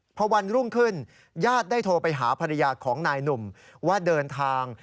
พอวันรุ่งขึ้นญาติได้โทรไปหาภรรยาของนายหนุ่มว่าเดินทาง